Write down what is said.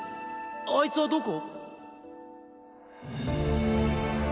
あいつはどこ？